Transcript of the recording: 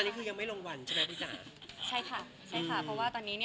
ใช่ค่ะเพราะว่าตอนนี้เนี่ย